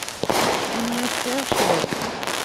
Ini-as sɛiɣ ccɣel.